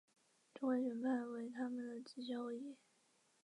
中观学派为他们的直系后裔。